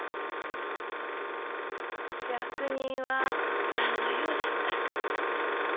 役人は何の用じゃった？